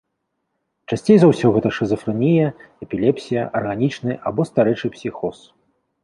Часцей за ўсё гэта шызафрэнія, эпілепсія, арганічны або старэчы псіхоз.